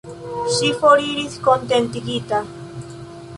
Ŝi foriris kontentigita.